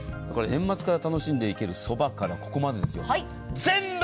年末から楽しんでいけるそばからここまでです。